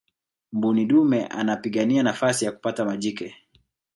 mbuni dume anapigania nafasi ya kupata majike